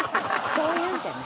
そういうんじゃない。